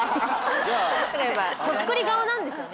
そっくり顔なんですよね。